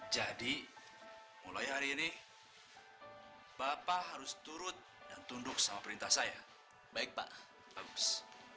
jadi mulai hari ini bapak harus turut dan tunduk sama perintah saya baik pak bagus